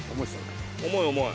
重い、重い。